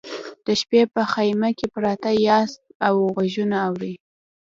د شپې په خیمه کې پراته یاست او غږونه اورئ